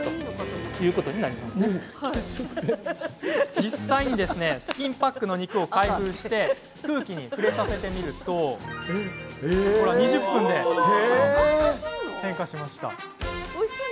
実際にスキンパックの肉を開封して空気に触れさせてみるとおよそ２０分で変化しました。